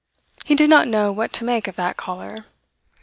He did not know what to make of that caller.